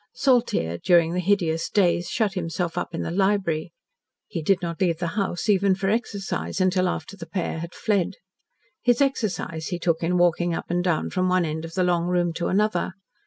Saltyre, during the hideous days, shut himself up in the library. He did not leave the house, even for exercise, until after the pair had fled. His exercise he took in walking up and down from one end of the long room to another.